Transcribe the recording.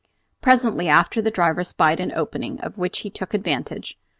Presently after that the driver spied an opening, of which he took advantage.